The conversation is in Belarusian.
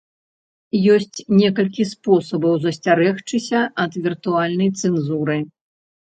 Ёсьць некалькі спосабаў засьцерагчыся ад віртуальнай цэнзуры.